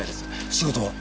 仕事は？